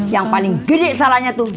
yang paling gede salahnya tuh